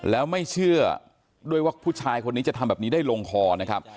แล้วไม่เชื่อด้วยว่าผู้ชายคนนี้จะทำแบบนี้ได้ลงคอนะครับ